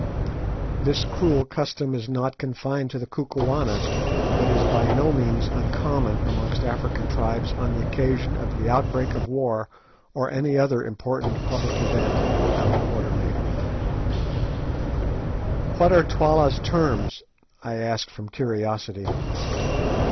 This cruel custom is not confined to the Kukuanas, but is by no means uncommon amongst African tribes on the occasion of the outbreak of war or any other important public event.—A.Q. "What are Twala's terms?" I asked from curiosity.